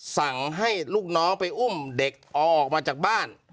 สั่งให้ลูกน้องไปอุ้มเด็กออกมาจากบ้าน